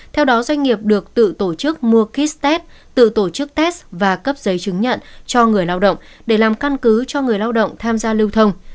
theo đó doanh nghiệp được tự tổ chức mua kit test tự tổ chức test và cấp giấy chứng nhận cho người lao động để làm căn cứ cho người lao động tham gia lưu thông